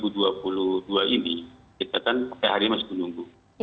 di tahun dua ribu dua puluh dua ini kita kan sehari hari masih menunggu